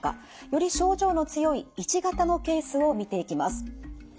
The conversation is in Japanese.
より症状の強いⅠ型のケースを見ていきます。